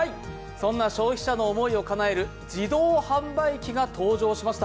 そんな消費者の思いをかなえる自動販売機が搭乗しました。